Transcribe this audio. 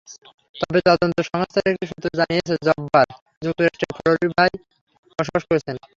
তবে তদন্ত সংস্থার একটি সূত্র জানিয়েছে, জব্বার যুক্তরাষ্ট্রের ফ্লোরিডায় বসবাস করছেন।